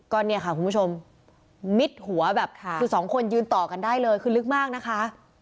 ก็เนี่ยค่ะคุณผู้ชมมิดหัวแบบคือสองคนยืนต่อกันได้เลยคือลึกมากนะคะ